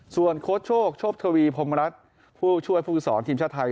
ส่วนโค้ชโชคโชคทวีพรมรัฐผู้ช่วยผู้ฝึกศรทีมชาติไทย